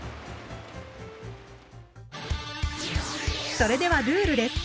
それではルールです。